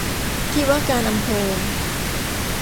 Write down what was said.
ที่ว่าการอำเภอ